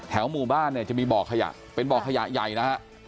หมู่บ้านเนี่ยจะมีบ่อขยะเป็นบ่อขยะใหญ่นะฮะ